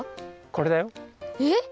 これだよ。えっ？